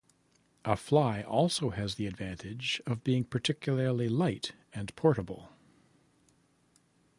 A fly also has the advantage of being particularly light and portable.